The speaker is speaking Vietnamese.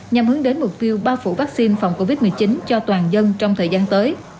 nhằm hướng đến mục tiêu bao phủ vaccine phòng covid một mươi chín cho toàn dân trong thời gian tới